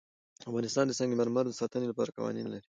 افغانستان د سنگ مرمر د ساتنې لپاره قوانین لري.